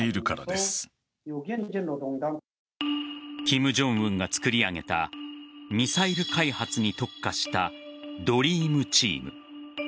金正恩が作り上げたミサイル開発に特化したドリームチーム。